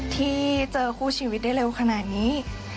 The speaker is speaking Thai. ที่เจอคู่ชีวิตได้เร็วขนาดนี้